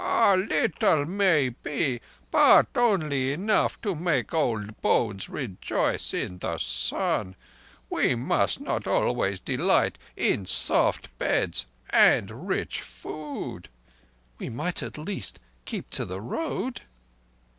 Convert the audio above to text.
"A little, maybe; but only enough to make old bones rejoice in the sun. We must not always delight in soft beds and rich food." "We might at least keep to the road."